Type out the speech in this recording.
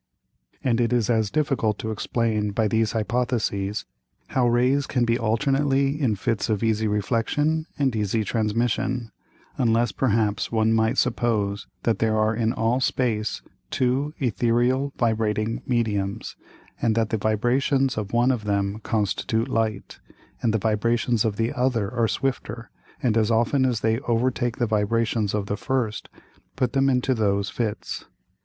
And it is as difficult to explain by these Hypotheses, how Rays can be alternately in Fits of easy Reflexion and easy Transmission; unless perhaps one might suppose that there are in all Space two Æthereal vibrating Mediums, and that the Vibrations of one of them constitute Light, and the Vibrations of the other are swifter, and as often as they overtake the Vibrations of the first, put them into those Fits.